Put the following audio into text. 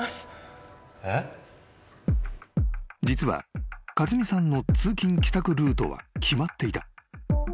［実は勝美さんの通勤帰宅ルートは決まっていた］